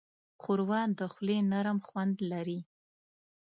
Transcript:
ښوروا د خولې نرم خوند لري.